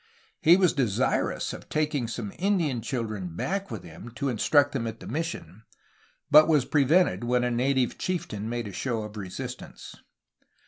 He was desirousof taking some Indian children back with him, to instruct them at themission, but was prevented when a native chieftain made a show of resistance.